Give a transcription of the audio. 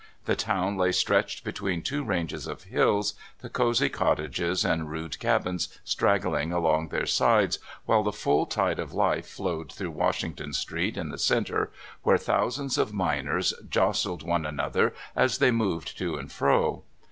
The town lay stretched between two ranges of hills, the cozy cottages and rude cabins straggling along their sides, while the full tide of life flowed through Washington Street in the center, where thousands of miners jostled one another as they moved to and fro.